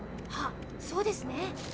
あっそうですね。